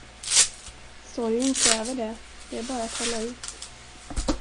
Sorgen kräver det, det är bara att hålla ut.